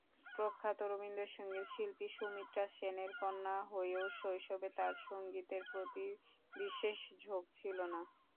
প্রখ্যাত রবীন্দ্রসঙ্গীত শিল্পী সুমিত্রা সেনের কন্যা হয়েও শৈশবে তার সঙ্গীতের প্রতি বিশেষ ঝোঁক ছিল না।